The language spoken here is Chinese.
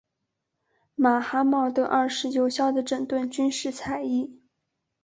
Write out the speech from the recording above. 马哈茂德二世有效地整顿军事采邑。